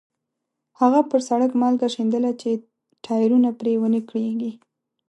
هغه پر سړک مالګه شیندله چې ټایرونه پرې ونه کړېږي.